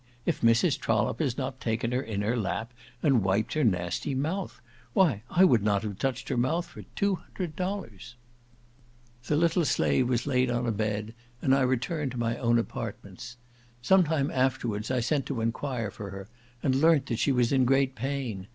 If Mrs. Trollope has not taken her in her lap, and wiped her nasty mouth! Why I would not have touched her mouth for two hundred dollars!" See Captain Hall's Travels in America. The little slave was laid on a bed, and I returned to my own apartments; some time afterwards I sent to enquire for her, and learnt that she was in great pain.